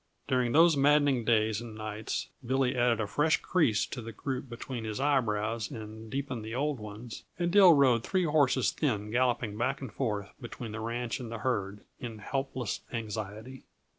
During those maddening days and nights Billy added a fresh crease to the group between his eyebrows and deepened the old ones, and Dill rode three horses thin galloping back and forth between the ranch and the herd, in helpless anxiety.